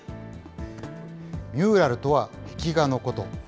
ミューラルとは、壁画のこと。